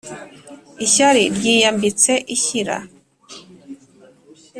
ishyari ryiyambitse ishyira